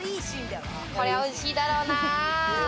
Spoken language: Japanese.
これはおいしいだろうな！